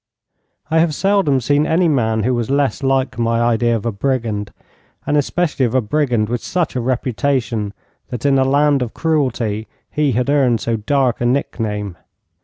I have seldom seen any man who was less like my idea of a brigand, and especially of a brigand with such a reputation that in a land of cruelty he had earned so dark a nickname.